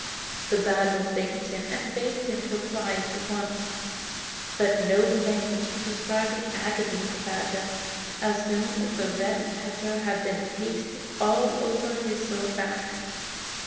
The badger thanked him and begged him to apply it at once. But no language can describe the agony of the badger as soon as the red pepper had been pasted all over his sore back.